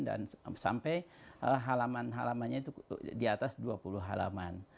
dan sampai halaman halamannya itu di atas dua puluh halaman